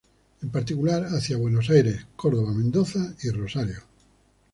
En particular, hacia Buenos Aires, Córdoba, Mendoza y Rosario.